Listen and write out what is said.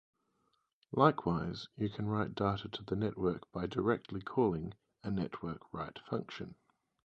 Likewise, you can write data to the network by directly calling a network-write function.